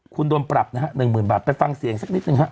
คุณโดนปรับนะฮะ๑๐๐๐บาทไปฟังเสียงสักนิดหนึ่งฮะ